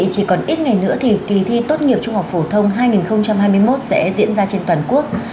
chỉ còn ít ngày nữa thì kỳ thi tốt nghiệp trung học phổ thông hai nghìn hai mươi một sẽ diễn ra trên toàn quốc